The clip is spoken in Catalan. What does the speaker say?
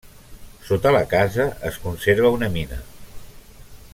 Sota la casa es conserva una mina.